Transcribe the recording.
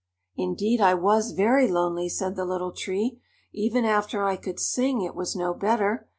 "Indeed, I was very lonely," said the Little Tree. "Even after I could sing, it was no better.